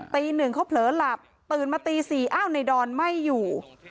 ตีหนึ่งเขาเผลอหลับตื่นมาตี๔อ้าวในดอนไม่อยู่